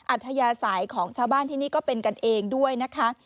อัธยาศัยของชาวบ้านที่นี่ก็เป็นกันเองด้วยนะคะ